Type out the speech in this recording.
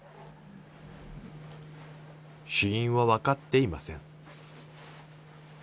死因は分かっていません。